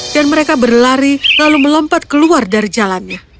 dan mereka berlari lalu melompat keluar dari jalannya